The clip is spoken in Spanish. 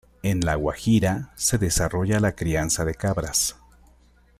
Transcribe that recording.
En la Guajira se desarrolla la crianza de cabras.